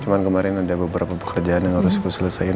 cuman kemarin ada beberapa pekerjaan yang harus saya selesaikan